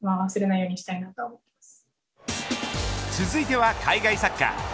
続いては海外サッカー。